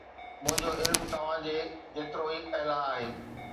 منهنجو علم توهان جي جيترو اعليٰ آهي